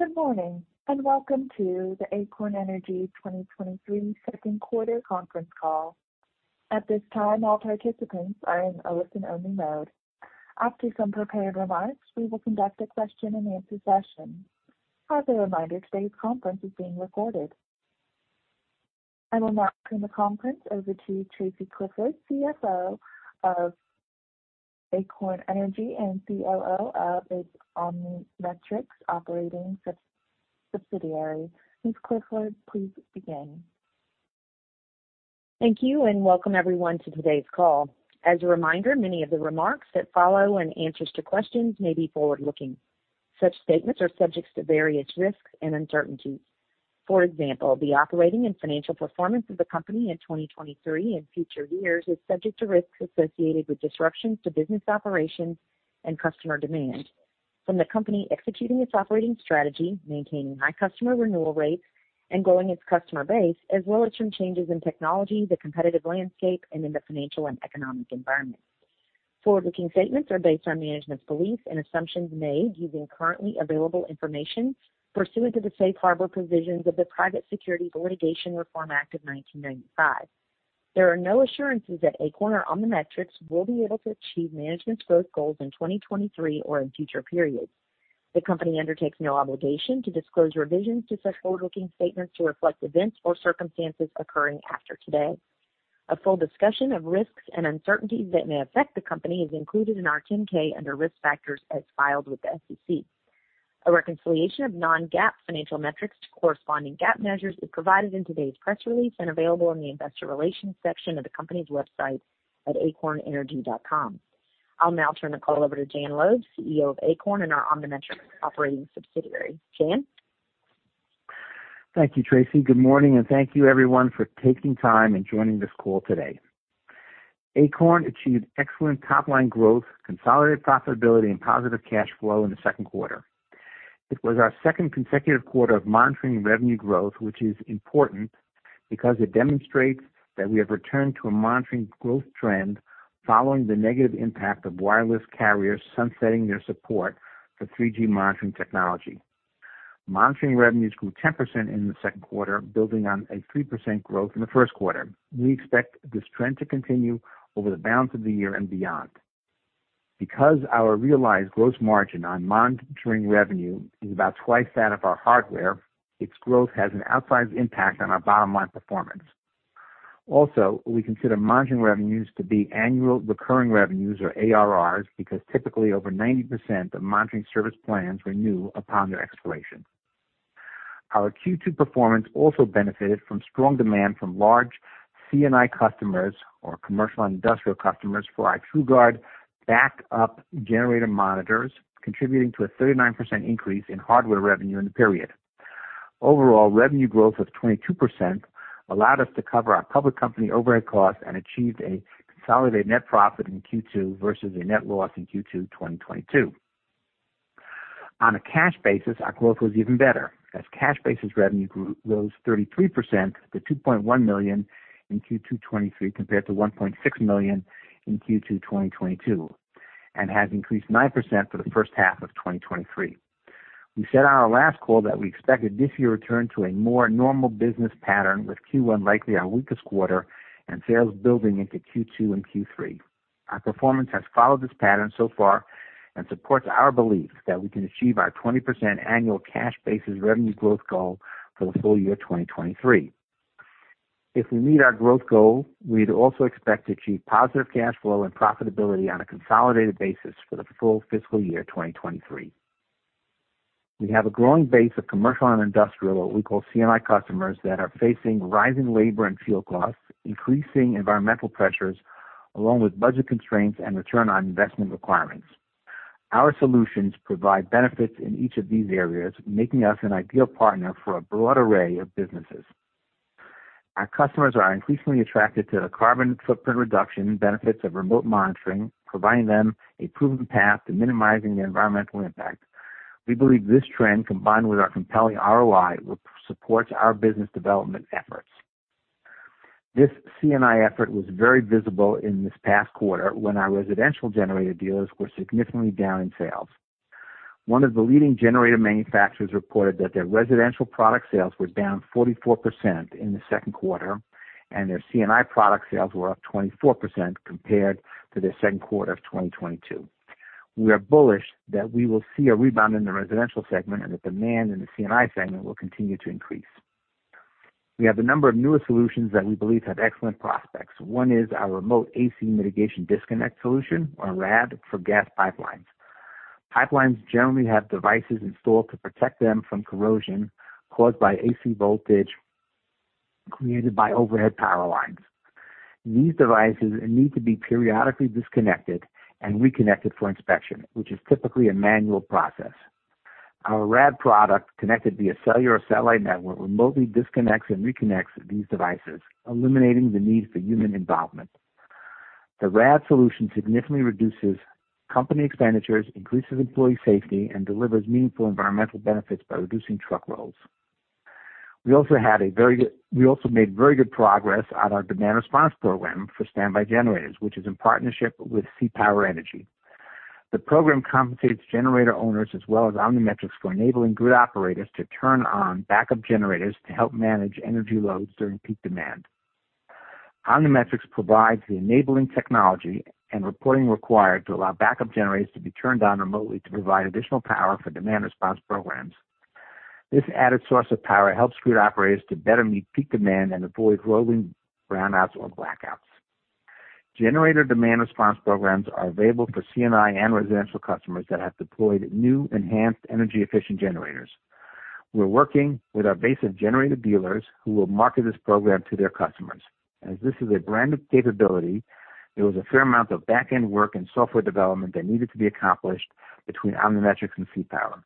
Good morning, and welcome to the Acorn Energy 2023 Q2 conference call. At this time, all participants are in a listen-only mode. After some prepared remarks, we will conduct a Q&A session. As a reminder, today's conference is being recorded. I will now turn the conference over to Tracy Clifford, CFO of Acorn Energy and COO of its OmniMetrix operating subsidiary. Ms. Clifford, please begin. Thank you. Welcome everyone to today's call. As a reminder, many of the remarks that follow and answers to questions may be forward-looking. Such statements are subject to various risks and uncertainties. For example, the operating and financial performance of the company in 2023 and future years is subject to risks associated with disruptions to business operations and customer demand. From the company executing its operating strategy, maintaining high customer renewal rates, and growing its customer base, as well as from changes in technology, the competitive landscape, and in the financial and economic environment. Forward-looking statements are based on management's beliefs and assumptions made using currently available information pursuant to the Safe Harbor provisions of the Private Securities Litigation Reform Act of 1995. There are no assurances that Acorn or OmniMetrix will be able to achieve management's growth goals in 2023 or in future periods. The company undertakes no obligation to disclose revisions to such forward-looking statements to reflect events or circumstances occurring after today. A full discussion of risks and uncertainties that may affect the company is included in our 10-K under Risk Factors as filed with the SEC. A reconciliation of non-GAAP financial metrics to corresponding GAAP measures is provided in today's press release and available in the investor relations section of the company's website at acornenergy.com. I'll now turn the call over to Jan Loeb, CEO of Acorn and our OmniMetrix operating subsidiary. Jan? Thank you, Tracy. Good morning, and thank you everyone for taking time and joining this call today. Acorn achieved excellent top-line growth, consolidated profitability, and positive cash flow in the Q2. It was our 2nd consecutive quarter of monitoring revenue growth, which is important because it demonstrates that we have returned to a monitoring growth trend following the negative impact of wireless carriers sunsetting their support for 3G monitoring technology. Monitoring revenues grew 10% in the Q2, building on a 3% growth in the Q1. We expect this trend to continue over the balance of the year and beyond. Because our realized gross margin on monitoring revenue is about twice that of our hardware, its growth has an outsized impact on our bottom line performance. Also, we consider margin revenues to be annual recurring revenues, or ARR, because typically over 90% of monitoring service plans renew upon their expiration. Our Q2 performance also benefited from strong demand from large C&I customers, or commercial and industrial customers, for our TruGuard backup generator monitors, contributing to a 39% increase in hardware revenue in the period. Overall, revenue growth of 22% allowed us to cover our public company overhead costs and achieved a consolidated net profit in Q2 versus a net loss in Q2 2022. On a cash basis, our growth was even better, as cash basis revenue rose 33% to $2.1 million in Q2 2023, compared to $1.6 million in Q2 2022, and has increased 9% for the H1 of 2023. We said on our last call that we expected this year return to a more normal business pattern, with Q1 likely our weakest quarter and sales building into Q2 and Q3. Our performance has followed this pattern so far and supports our belief that we can achieve our 20% annual cash basis revenue growth goal for the full year 2023. If we meet our growth goal, we'd also expect to achieve positive cash flow and profitability on a consolidated basis for the full FY 2023. We have a growing base of commercial and industrial, what we call C&I customers, that are facing rising labor and fuel costs, increasing environmental pressures, along with budget constraints and return on investment requirements. Our solutions provide benefits in each of these areas, making us an ideal partner for a broad array of businesses. Our customers are increasingly attracted to the carbon footprint reduction benefits of remote monitoring, providing them a proven path to minimizing their environmental impact. We believe this trend, combined with our compelling ROI, will support our business development efforts. This C&I effort was very visible in this past quarter when our residential generator dealers were significantly down in sales. One of the leading generator manufacturers reported that their residential product sales were down 44% in the Q2, and their C&I product sales were up 24% compared to the Q2 of 2022. We are bullish that we will see a rebound in the residential segment and that demand in the C&I segment will continue to increase. We have a number of newer solutions that we believe have excellent prospects. One is our remote AC mitigation disconnect solution, or RADD, for gas pipelines. Pipelines generally have devices installed to protect them from corrosion caused by AC voltage created by overhead power lines. These devices need to be periodically disconnected and reconnected for inspection, which is typically a manual process. Our RAD product, connected via cellular or satellite network, remotely disconnects and reconnects these devices, eliminating the need for human involvement. The RAD solution significantly reduces company expenditures, increases employee safety, and delivers meaningful environmental benefits by reducing truck rolls. We also made very good progress on our demand response program for standby generators, which is in partnership with CPower Energy. The program compensates generator owners as well as OmniMetrix for enabling grid operators to turn on backup generators to help manage energy loads during peak demand. OmniMetrix provides the enabling technology and reporting required to allow backup generators to be turned on remotely to provide additional power for demand response programs. This added source of power helps grid operators to better meet peak demand and avoid rolling brownouts or blackouts. Generator demand response programs are available for C&I and residential customers that have deployed new, enhanced, energy-efficient generators. We're working with our base of generator dealers who will market this program to their customers. As this is a brand-new capability, there was a fair amount of back-end work and software development that needed to be accomplished between OmniMetrix and CPower.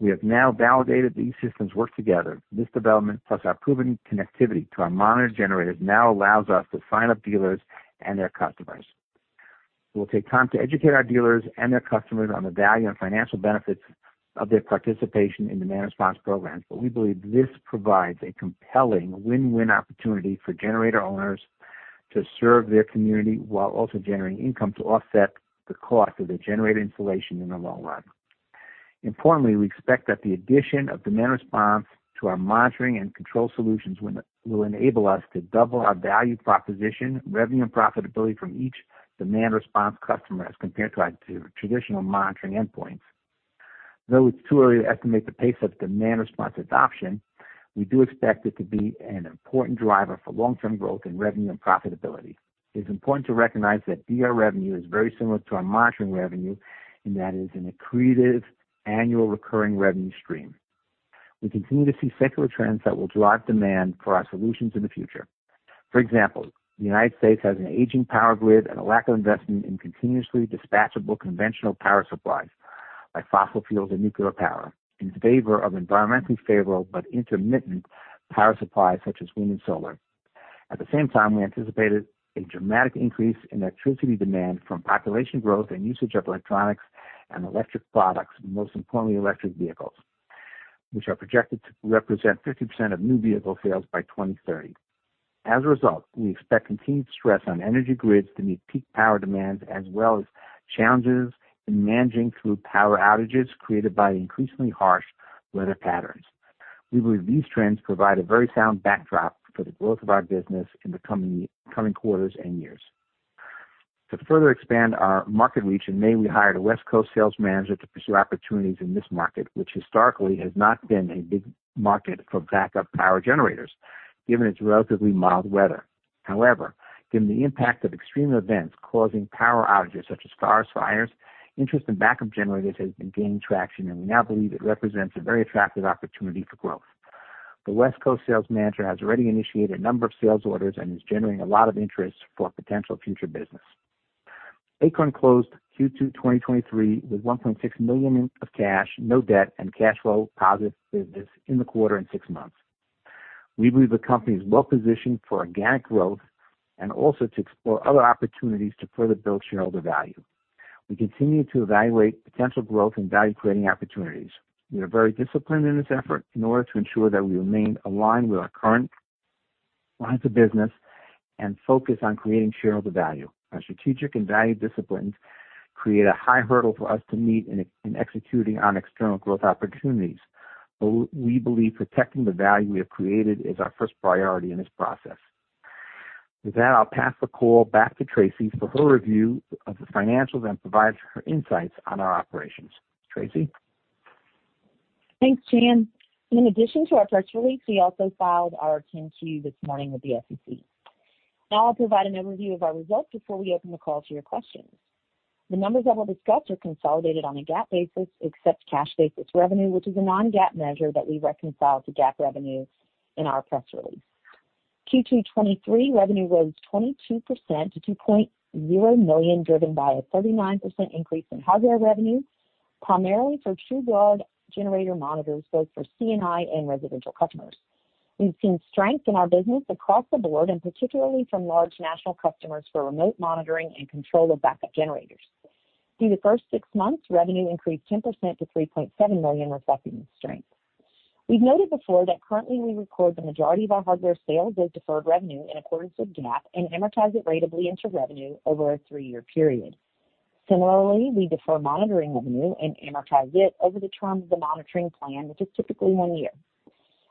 We have now validated these systems work together. This development, plus our proven connectivity to our monitored generators, now allows us to sign up dealers and their customers. It will take time to educate our dealers and their customers on the value and financial benefits of their participation in demand response programs. We believe this provides a compelling win-win opportunity for generator owners to serve their community while also generating income to offset the cost of the generator installation in the long run. We expect that the addition of demand response to our monitoring and control solutions will enable us to double our value proposition, revenue, and profitability from each demand response customer as compared to our traditional monitoring endpoints. It's too early to estimate the pace of demand response adoption, we do expect it to be an important driver for long-term growth in revenue and profitability. It's important to recognize that DR revenue is very similar to our monitoring revenue, and that is an accretive annual recurring revenue stream. We continue to see secular trends that will drive demand for our solutions in the future. For example, the United States has an aging power grid and a lack of investment in continuously dispatchable conventional power supplies, like fossil fuels and nuclear power, in favor of environmentally favorable but intermittent power supplies, such as wind and solar. At the same time, we anticipated a dramatic increase in electricity demand from population growth and usage of electronics and electric products, most importantly, electric vehicles, which are projected to represent 50% of new vehicle sales by 2030. As a result, we expect continued stress on energy grids to meet peak power demands, as well as challenges in managing through power outages created by the increasingly harsh weather patterns. We believe these trends provide a very sound backdrop for the growth of our business in the coming coming quarters and years. To further expand our market reach, in May, we hired a West Coast sales manager to pursue opportunities in this market, which historically has not been a big market for backup power generators, given its relatively mild weather. However, given the impact of extreme events causing power outages, such as forest fires, interest in backup generators has been gaining traction, and we now believe it represents a very attractive opportunity for growth. The West Coast sales manager has already initiated a number of sales orders and is generating a lot of interest for potential future business. Acorn closed Q2 2023 with $1.6 million in of cash, no debt, and cash flow positive business in the quarter and 6 months. We believe the company is well positioned for organic growth and also to explore other opportunities to further build shareholder value. We continue to evaluate potential growth and value-creating opportunities. We are very disciplined in this effort in order to ensure that we remain aligned with our current lines of business and focus on creating shareholder value. Our strategic and value disciplines create a high hurdle for us to meet in executing on external growth opportunities, but we believe protecting the value we have created is our first priority in this process. With that, I'll pass the call back to Tracy for her review of the financials and provide her insights on our operations. Tracy? Thanks, Jan. In addition to our press release, we also filed our 10-Q this morning with the SEC. Now I'll provide an overview of our results before we open the call to your questions. The numbers that I'll discuss are consolidated on a GAAP basis, except cash basis revenue, which is a non-GAAP measure that we reconcile to GAAP revenue in our press release. Q2 '23 revenue rose 22% to $2.0 million, driven by a 39% increase in hardware revenue, primarily for TruGuard generator monitors, both for C&I and residential customers. We've seen strength in our business across the board, and particularly from large national customers for remote monitoring and control of backup generators. Through the first 6 months, revenue increased 10% to $3.7 million, reflecting this strength. We've noted before that currently we record the majority of our hardware sales as deferred revenue in accordance with GAAP and amortize it ratably into revenue over a 3 year period. Similarly, we defer monitoring revenue and amortize it over the term of the monitoring plan, which is typically one year.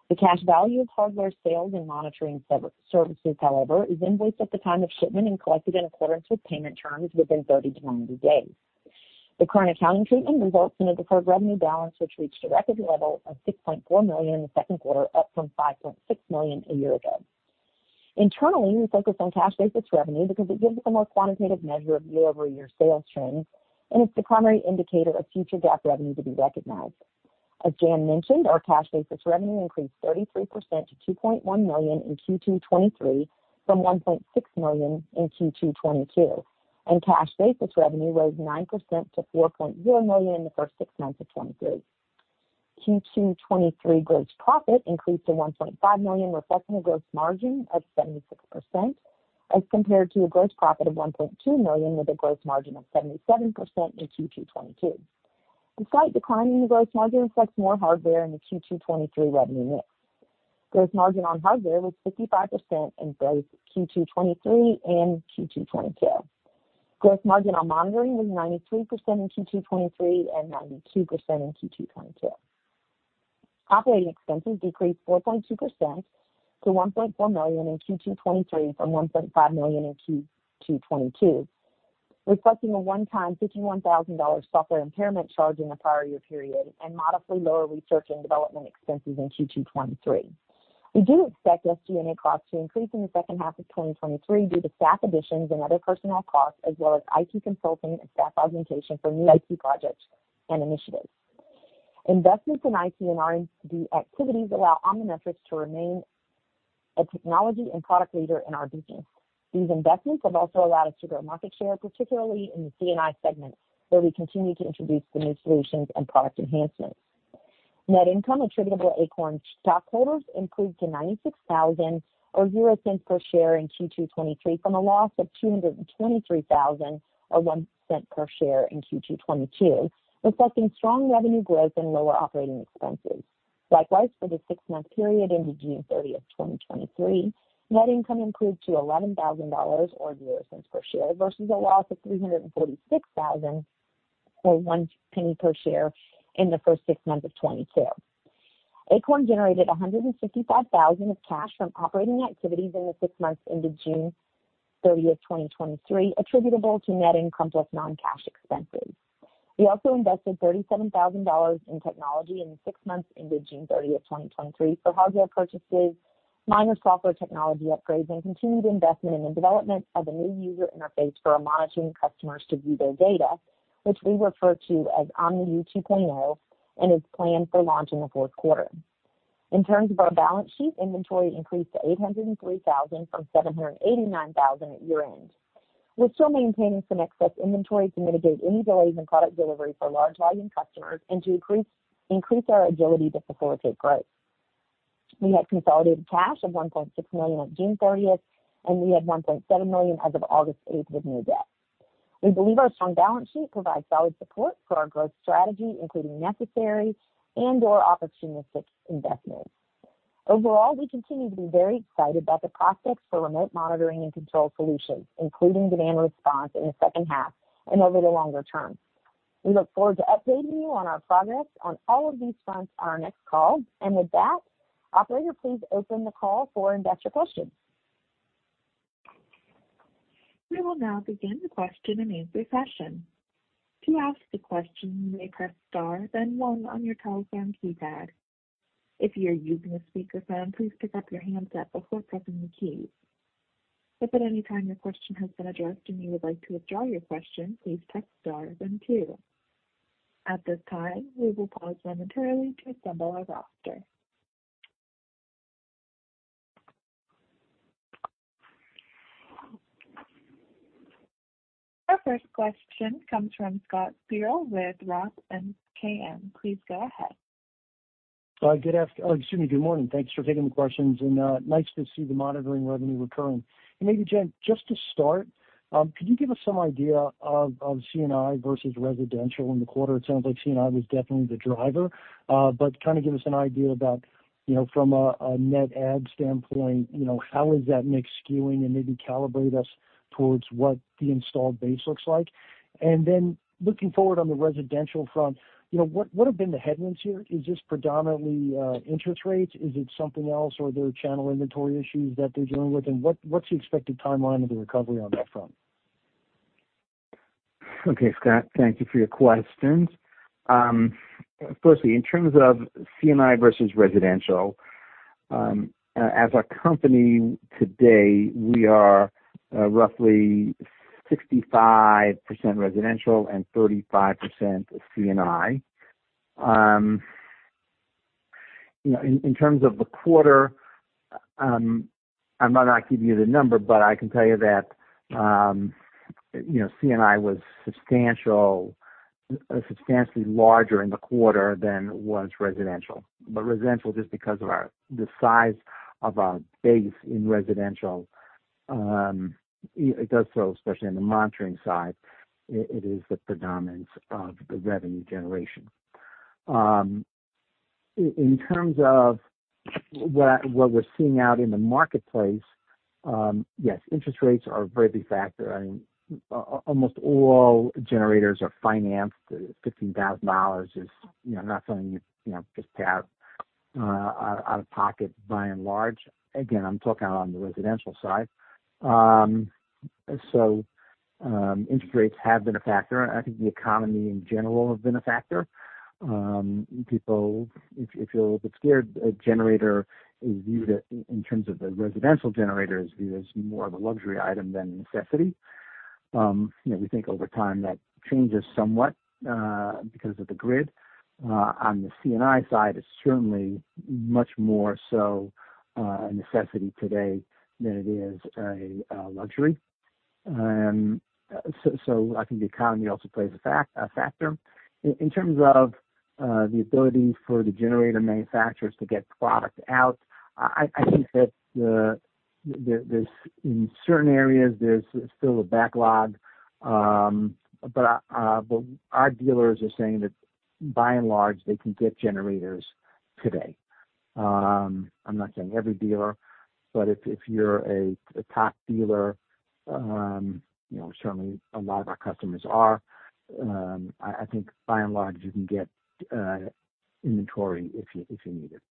The cash value of hardware sales and monitoring services, however, is invoiced at the time of shipment and collected in accordance with payment terms within 30 to 90 days. The current accounting treatment results in a deferred revenue balance, which reached a record level of $6.4 million in the Q2, up from $5.6 million a year ago. Internally, we focus on cash basis revenue because it gives us a more quantitative measure of year-over-year sales trends, and it's the primary indicator of future GAAP revenue to be recognized. As Jan mentioned, our cash basis revenue increased 33% to $2.1 million in Q2 '23, from $1.6 million in Q2 '22. Cash basis revenue rose 9% to $4.0 million in the first 6 months of 2023. Q2 '23 gross profit increased to $1.5 million, reflecting a gross margin of 76%, as compared to a gross profit of $1.2 million, with a gross margin of 77% in Q2 '22. Despite declining, gross margin reflects more hardware in the Q2 '23 revenue mix. Gross margin on hardware was 55% in both Q2 '23 and Q2 '22. Gross margin on monitoring was 93% in Q2 '23 and 92% in Q2 '22. Operating expenses decreased 4.2% to $1.4 million in Q2 2023 from $1.5 million in Q2 2022, reflecting a one-time $51,000 software impairment charge in the prior year period, and modestly lower research and development expenses in Q2 2023. We do expect SG&A costs to increase in the H2 of 2023 due to staff additions and other personnel costs, as well as IT consulting and staff augmentation for new IT projects and initiatives. Investments in IT and R&D activities allow OmniMetrix to remain a technology and product leader in our business. These investments have also allowed us to grow market share, particularly in the C&I segment, where we continue to introduce the new solutions and product enhancements. Net income attributable to Acorn stockholders increased to $96,000, or $0.00 per share in Q2 2023, from a loss of $223,000, or $0.01 per share in Q2 2022, reflecting strong revenue growth and lower operating expenses. Likewise, for the 6 month period into June 30, 2023, net income improved to $11,000, or $0.00 per share, versus a loss of $346,000, or $0.01 per share in the first 6 months of 2022. Acorn generated $165,000 of cash from operating activities in the 6 months into June 30, 2023, attributable to net income plus non-cash expenses. We also invested $37,000 in technology in the 6 months into June 30, 2023, for hardware purchases, minus software technology upgrades, and continued investment in the development of a new user interface for our monitoring customers to view their data, which we refer to as OmniView 2.0, and is planned for launch in the Q4. In terms of our balance sheet, inventory increased to $803,000 from $789,000 at year-end. We're still maintaining some excess inventory to mitigate any delays in product delivery for large volume customers and to increase our ability to facilitate growth. We had consolidated cash of $1.6 million on June 30, and we had $1.7 million as of August 8, with no debt. We believe our strong balance sheet provides solid support for our growth strategy, including necessary and/or opportunistic investments. Overall, we continue to be very excited about the prospects for remote monitoring and control solutions, including demand response in the H2 and over the longer term. We look forward to updating you on our progress on all of these fronts on our next call. With that, operator, please open the call for investor questions. We will now begin the Q&A session. To ask a question, you may press star, then 1 on your telephone keypad. If you're using a speakerphone, please pick up your handset before pressing the keys. If at any time your question has been addressed and you would like to withdraw your question, please press star then 2. At this time, we will pause momentarily to assemble our roster. Our first question comes from Scott Searle with Roth MKM. Please go ahead. Good after-- excuse me. Good morning. Thanks for taking the questions, and nice to see the monitoring revenue recurring. Maybe, Jan, just to start, could you give us some idea of, of C&I versus residential in the quarter? It sounds like C&I was definitely the driver, but kind of give us an idea about, you know, from a, a net add standpoint, you know, how is that mix skewing, and maybe calibrate us towards what the installed base looks like. Then looking forward on the residential front, you know, what, what have been the headwinds here? Is this predominantly interest rates? Is it something else, or are there channel inventory issues that they're dealing with? What, what's the expected timeline of the recovery on that front? Okay, Scott, thank you for your questions. Firstly, in terms of C&I versus residential, as a company today, we are roughly 65% residential and 35% C&I. You know, in terms of the quarter, I'm not going to give you the number, but I can tell you that, you know, C&I was substantial, substantially larger in the quarter than was residential. Residential, just because of our, the size of our base in residential, it does so, especially on the monitoring side, it, it is the predominance of the revenue generation. In terms of what we're seeing out in the marketplace, yes, interest rates are very factor. I mean, almost all generators are financed. $15,000 is, you know, not something you, you know, just tap out of pocket by and large. Again, I'm talking on the residential side. Interest rates have been a factor. I think the economy in general have been a factor. People, if, if you're a little bit scared, a generator is viewed as, in terms of the residential generator, is viewed as more of a luxury item than a necessity. You know, we think over time that changes somewhat because of the grid. On the C&I side, it's certainly much more so a necessity today than it is a luxury. So I think the economy also plays a factor. In terms of-... the ability for the generator manufacturers to get product out. I think that the, there, there's in certain areas, there's still a backlog. Our dealers are saying that by and large, they can get generators today. I'm not saying every dealer, but if you're a top dealer, you know, certainly a lot of our customers are, I think by and large, you can get inventory if you need it.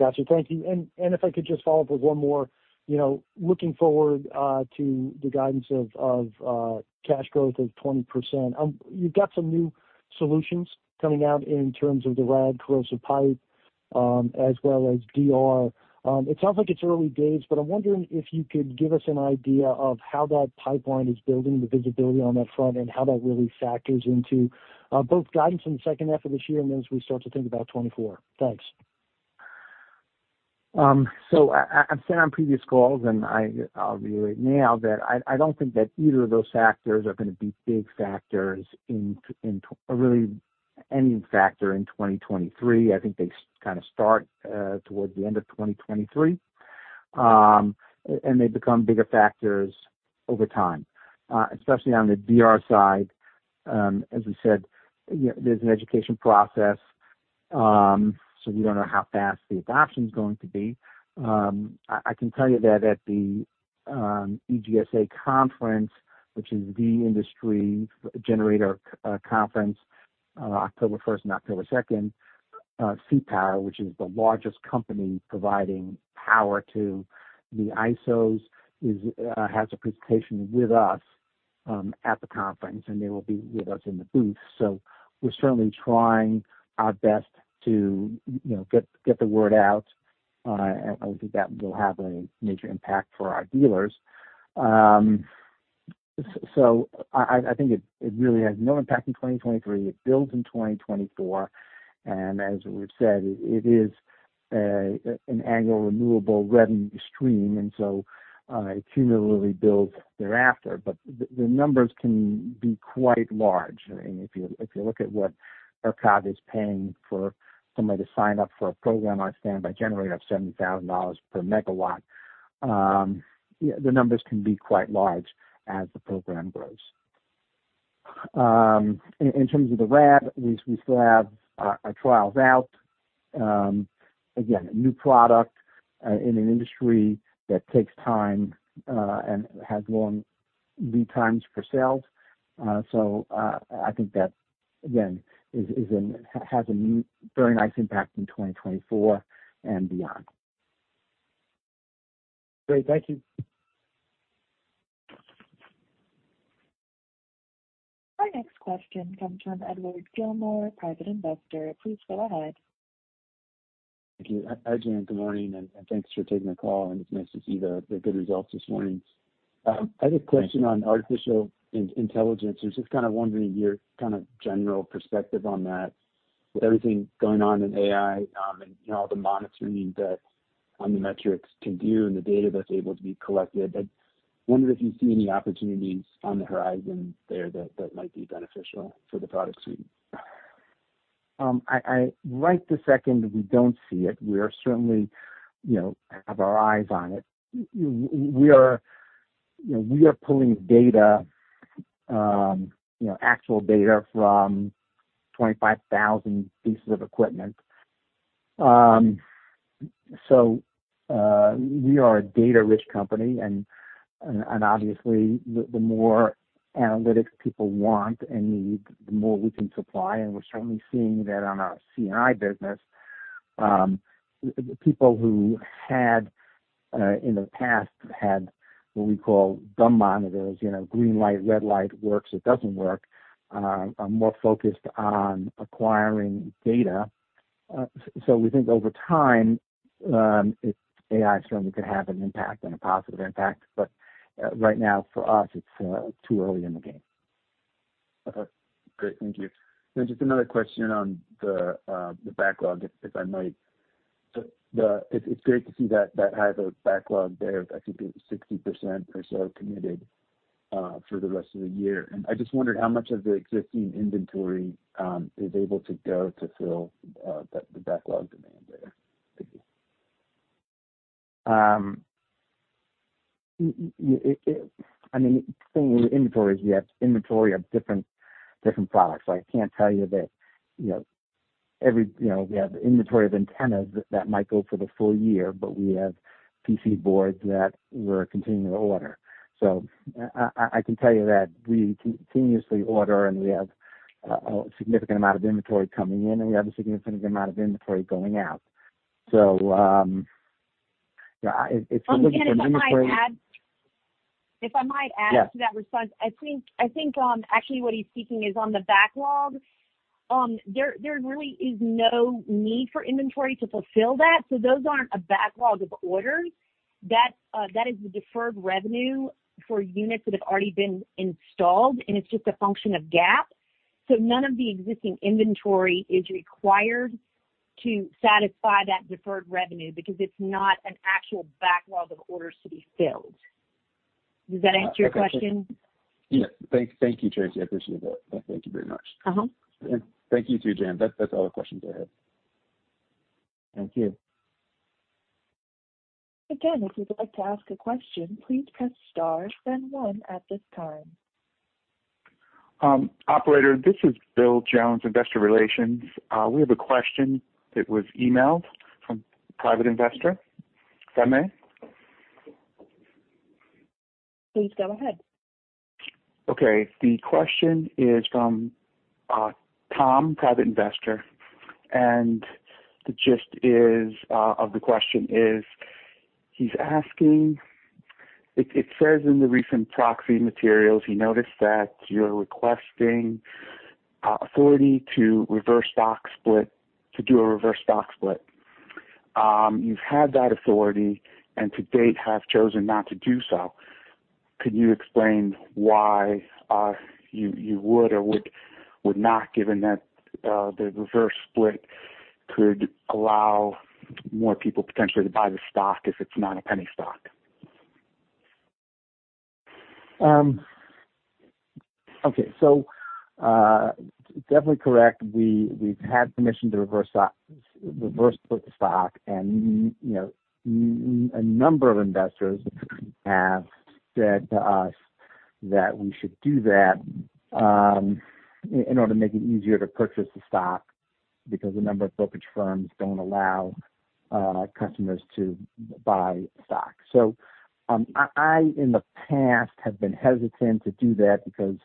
Got you. Thank you. If I could just follow up with one more. You know, looking forward to the guidance of, of cash growth of 20%, you've got some new solutions coming out in terms of the RAD corrosive pipe, as well as DR. It sounds like it's early days, but I'm wondering if you could give us an idea of how that pipeline is building the visibility on that front, and how that really factors into both guidance in the H2 of this year, and as we start to think about 2024. Thanks. I, I've said on previous calls, and I'll reiterate now, that I, I don't think that either of those factors are going to be big factors in or really any factor in 2023. I think they kind of start towards the end of 2023. They become bigger factors over time, especially on the DR side. As we said, you know, there's an education process, we don't know how fast the adoption is going to be. I, I can tell you that at the EGSA conference, which is the industry generator conference, October 1st and October 2nd, CPower, which is the largest company providing power to the ISO, has a presentation with us at the conference, and they will be with us in the booth. We're certainly trying our best to, you know, get, get the word out, and I think that will have a major impact for our dealers. I, I think it, it really has no impact in 2023. It builds in 2024, and as we've said, it is an annual renewable revenue stream, and so it cumulatively builds thereafter. The, the numbers can be quite large. I mean, if you, if you look at what ERCOT is paying for somebody to sign up for a program, I understand by generator of $70,000 per megawatt, the numbers can be quite large as the program grows. In, in terms of the RAD, we, we still have our, our trials out. Again, a new product in an industry that takes time and has long lead times for sales. I think that, again, is, has a very nice impact in 2024 and beyond. Great. Thank you. Our next question comes from Edward Gilmore, Private Investor. Please go ahead. Thank you. Hi, Jan, good morning, and thanks for taking the call, and it's nice to see the good results this morning. Thank you. I have a question on artificial intelligence. I was just kind of wondering your kind of general perspective on that. With everything going on in AI, and, you know, all the monitoring that OmniMetrix can do and the data that's able to be collected, I wondered if you see any opportunities on the horizon there that, that might be beneficial for the product suite? I, I- right this second, we don't see it. We are certainly, you know, have our eyes on it. W- we are, you know, we are pulling data, you know, actual data from 25,000 pieces of equipment. We are a data-rich company, and, and obviously, the, the more analytics people want and need, the more we can supply, and we're certainly seeing that on our C&I business. The people who had, in the past, had what we call dumb monitors, you know, green light, red light, works, it doesn't work, are more focused on acquiring data. We think over time, AI is certainly going to have an impact and a positive impact, but right now for us, it's too early in the game. Okay, great. Thank you. Just another question on the backlog, if, if I might. It's, it's great to see that, that high of a backlog there. I think it was 60% or so committed for the rest of the year. I just wondered how much of the existing inventory is able to go to fill the backlog demand there? Thank you. I mean, the thing with inventory is you have inventory of different, different products. I can't tell you that, you know, we have inventory of antennas that might go for the full year, but we have PC boards that we're continuing to order. I, I, I can tell you that we continuously order, and we have a, a significant amount of inventory coming in, and we have a significant amount of inventory going out. Again, if I might add, if I might add. Yes. To that response. I think, I think, actually what he's seeking is on the backlog. There, there really is no need for inventory to fulfill that. Those aren't a backlog of orders. That, that is the deferred revenue for units that have already been installed, and it's just a function of GAAP. None of the existing inventory is required to satisfy that deferred revenue because it's not an actual backlog of orders to be filled. Does that answer your question? Yeah. Thank, thank you, Tracy. I appreciate that. Thank you very much. Uh-huh. Thank you, too, Jan. That's all the questions I had. Thank you. Again, if you'd like to ask a question, please press star then 1 at this time. Operator, this is Bill Jones, Investor Relations. We have a question that was emailed from a private investor. If I may? Please go ahead. Okay. The question is from Tom, private investor, and the gist is of the question is, he's asking. It says in the recent proxy materials, he noticed that you're requesting authority to reverse stock split, to do a reverse stock split. You've had that authority and to date have chosen not to do so. Could you explain why you would or would not, given that the reverse split could allow more people potentially to buy the stock if it's not a penny stock? Okay. Definitely correct. We, we've had permission to reverse stock, reverse split the stock and, you know, a number of investors have said to us that we should do that in order to make it easier to purchase the stock, because a number of brokerage firms don't allow customers to buy stock. I, I in the past, have been hesitant to do that because,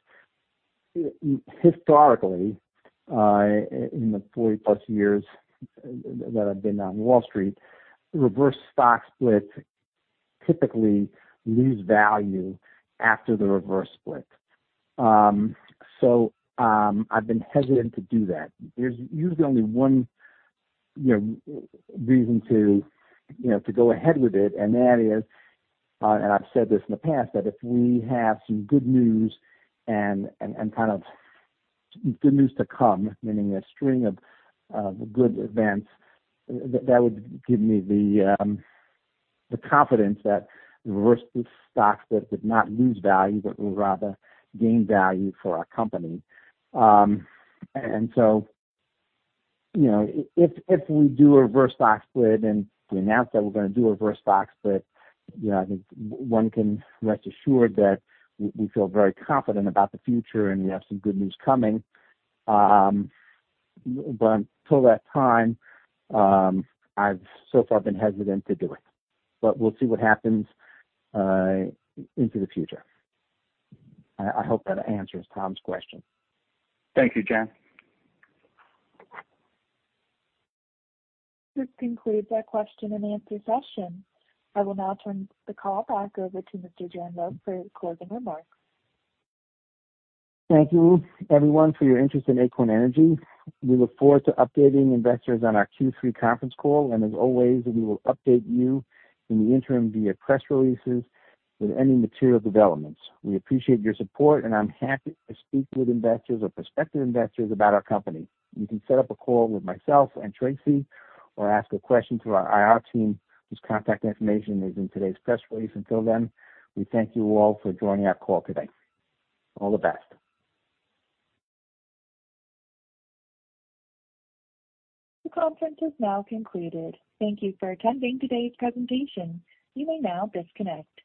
historically, in the 40 plus years that I've been on Wall Street, reverse stock splits typically lose value after the reverse split. I've been hesitant to do that. There's usually only one, you know, reason to, you know, to go ahead with it, and that is, and I've said this in the past, that if we have some good news and, kind of good news to come, meaning a string of good events, that would give me the confidence that reverse the stock split would not lose value, but would rather gain value for our company. So, you know, if, if we do a reverse stock split and we announce that we're going to do a reverse stock split, you know, I think one can rest assured that we feel very confident about the future and we have some good news coming. Until that time, I've so far been hesitant to do it, but we'll see what happens into the future. I, I hope that answers Tom's question. Thank you, Jan. This concludes our Q&A session. I will now turn the call back over to Mr. Jan Loeb for closing remarks. Thank you everyone for your interest in Acorn Energy. We look forward to updating investors on our Q3 conference call. As always, we will update you in the interim via press releases with any material developments. We appreciate your support. I'm happy to speak with investors or prospective investors about our company. You can set up a call with myself and Tracy or ask a question to our IR team, whose contact information is in today's press release. Until then, we thank you all for joining our call today. All the best. The conference is now concluded. Thank you for attending today's presentation. You may now disconnect.